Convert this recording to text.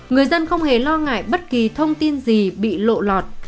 người dân không hề lo ngại bất kỳ thông tin gì bị lộ lọt